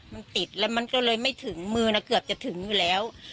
มันติดแล้วมันก็เลยไม่ถึงมือนะเกือบจะถึงอยู่แล้ว